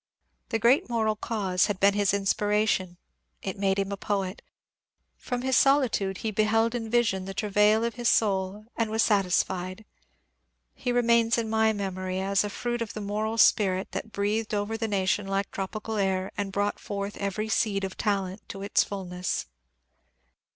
The great moral cause had been bis inspiration ; it made him a poet ; from his soli tude be beheld in vision the travail of his soul and was satis fied. He remains in my memory as a fruit of the moral spirit that breathed over the nation like tropical air and brought forth every seed of talent to its fulness.